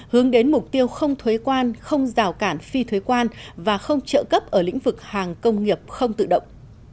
hướng đến mục tiêu không thuế quan không rào cản phi thuế quan và không trợ cấp ở lĩnh vực hàng công nghiệp không tự động